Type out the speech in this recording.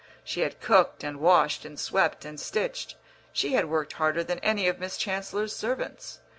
She had cooked and washed and swept and stitched; she had worked harder than any of Miss Chancellor's servants.